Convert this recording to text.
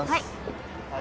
はい。